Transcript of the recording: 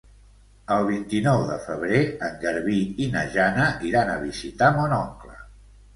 El vint-i-nou de febrer en Garbí i na Jana iran a visitar mon oncle.